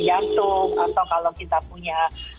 jantung atau kalau kita punya